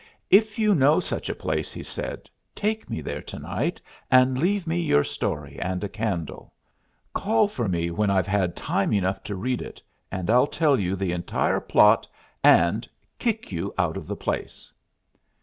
"If you know such a place," he said, "take me there to night and leave me your story and a candle. Call for me when I've had time enough to read it and I'll tell you the entire plot and kick you out of the place."